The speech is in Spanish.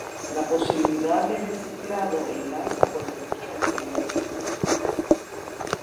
La posibilidad de reciclado enlaza con lo dicho anteriormente.